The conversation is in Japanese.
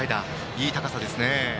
いい高さですね。